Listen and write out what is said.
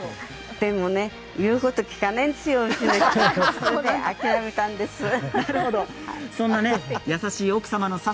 でもね、言うこと聞かないんですようちの人。